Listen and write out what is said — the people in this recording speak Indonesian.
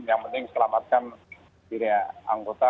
yang penting selamatkan diri anggota